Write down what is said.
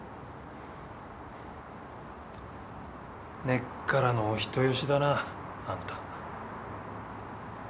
根っからのお人よしだなあんた。